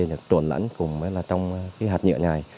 được trộn lẫn cùng với hạt nhựa